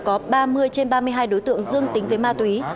có ba mươi trên ba mươi hai đối tượng dương tính với ma túy